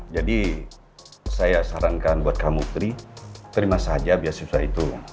jadi saya sarankan buat kamu putri terima saja beasiswa itu